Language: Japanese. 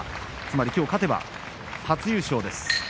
つまり今日勝てば初優勝です。